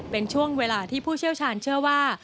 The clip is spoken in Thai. เป็นช่วงเวลาที่ผู้เชี่ยวชาญเชื่อว่า